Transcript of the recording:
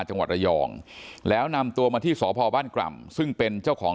จังหวัดระยองแล้วนำตัวมาที่สพบ้านกร่ำซึ่งเป็นเจ้าของ